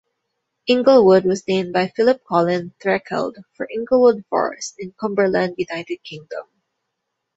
Inglewood was named by Philip Colin Threkeld for Inglewood Forest in Cumberland, United Kingdom.